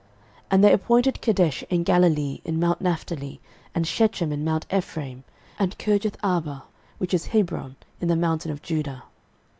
06:020:007 And they appointed Kedesh in Galilee in mount Naphtali, and Shechem in mount Ephraim, and Kirjatharba, which is Hebron, in the mountain of Judah.